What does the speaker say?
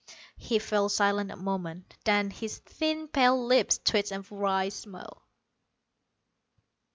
He fell silent a moment, then his thin pale lips twisted in a wry smile.